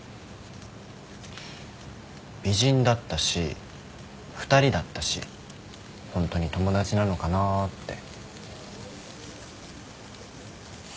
美人だったし２人だったしホントに友達なのかなぁって。